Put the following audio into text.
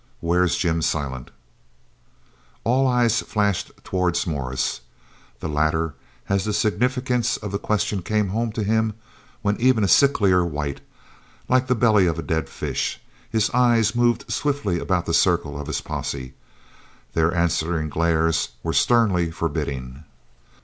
"Where's Jim Silent?" All eyes flashed towards Morris. The latter, as the significance of the question came home to him, went even a sicklier white, like the belly of a dead fish. His eyes moved swiftly about the circle of his posse. Their answering glares were sternly forbidding.